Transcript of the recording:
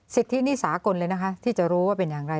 สิทธินี่สากลเลยนะคะที่จะรู้ว่าเป็นอย่างไร